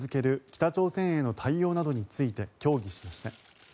北朝鮮への対応などについて協議しました。